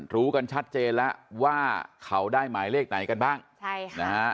รู้กันชัดเจนแล้วว่าเขาได้หมายเลขไหนกันบ้างใช่ค่ะนะฮะ